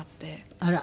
あら。